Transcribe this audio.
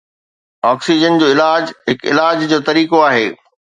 oxygen جو علاج هڪ علاج جو طريقو آهي